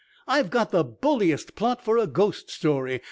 "I've got the bulliest plot for a ghost story!"